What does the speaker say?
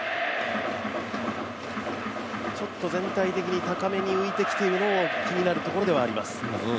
ちょっと全体的に高めに浮いてきてるのも気になるところではあります。